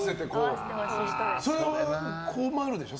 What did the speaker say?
それは困るでしょ？